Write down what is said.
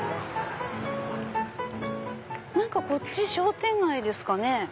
こっち商店街ですかね。